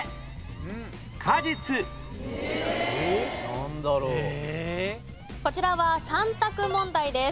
なんだろう？こちらは３択問題です。